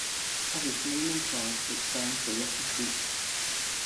As its name implies, it spans the Rocky Creek.